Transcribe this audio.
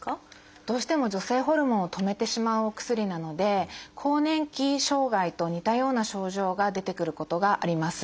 どうしても女性ホルモンを止めてしまうお薬なので更年期障害と似たような症状が出てくることがあります。